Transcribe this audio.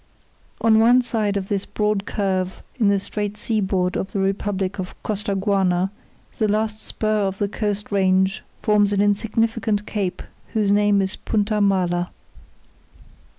On one side of this broad curve in the straight seaboard of the Republic of Costaguana, the last spur of the coast range forms an insignificant cape whose name is Punta Mala.